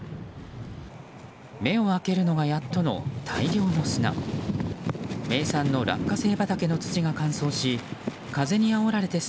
目を開けるのがやっとの大量の砂。